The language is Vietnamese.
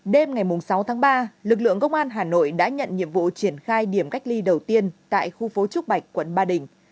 đêm ngày sáu tháng ba lực lượng công an hà nội đã nhận nhiệm vụ triển khai điểm cách ly đầu tiên tại khu phố trúc bạch quận ba đình